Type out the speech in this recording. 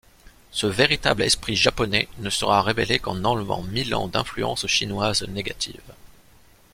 Ce véritable esprit japonais ne sera révélé qu'en enlevant mille ans d'influence chinoise négative.